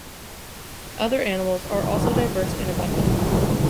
Other animals are also diverse and abundant.